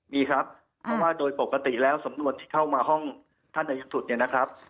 มีครับเพราะว่าโดยปกติแล้วสำนวนที่เข้ามาห้องท่านอายุสุดเนี่ยนะครับ